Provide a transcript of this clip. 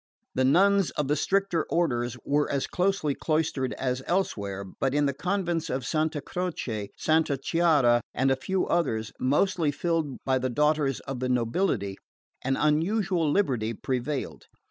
The nuns of the stricter orders were as closely cloistered as elsewhere; but in the convents of Santa Croce, Santa Chiara, and a few others, mostly filled by the daughters of the nobility, an unusual liberty prevailed.